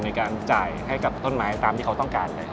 ในการจ่ายให้กับต้นไม้ตามที่เขาต้องการ